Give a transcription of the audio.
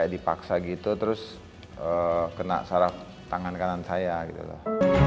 dipaksa gitu terus kena saraf tangan kanan saya gitu loh